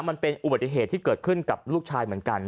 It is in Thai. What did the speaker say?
มันเป็นอุบัติเหตุที่เกิดขึ้นกับลูกชายเหมือนกัน